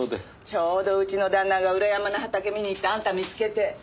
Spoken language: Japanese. ちょうどうちの旦那が裏山の畑見に行ってあんた見つけて。